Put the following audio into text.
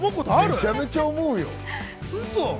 めちゃめちゃ思うよ。